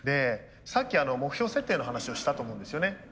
さっき目標設定の話をしたと思うんですよね。